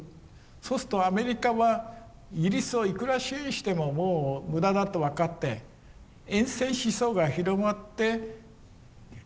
そうするとアメリカはイギリスをいくら支援してももう無駄だと分かって厭戦思想が広まってギブアップするだろうっていう。